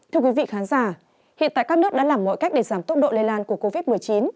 thưa quý vị khán giả hiện tại các nước đã làm mọi cách để giảm tốc độ lây lan của covid một mươi chín